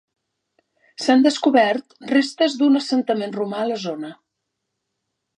S'han descobert restes d'un assentament romà a la zona.